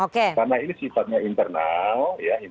karena ini sifatnya internal